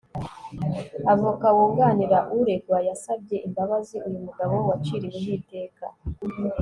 avoka wunganira uregwa yasabye imbabazi uyu mugabo waciriweho iteka